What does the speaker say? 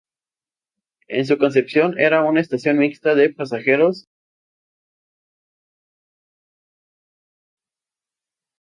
En su concepción era una estación mixta de pasajeros y mercancías.